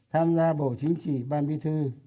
tham gia bộ chính trị ban bí thư